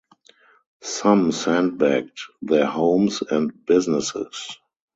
Some sandbagged their homes and businesses.